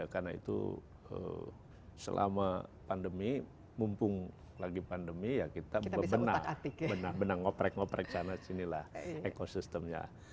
karena itu selama pandemi mumpung lagi pandemi ya kita benar benar ngoprek ngoprek sana sinilah ekosistemnya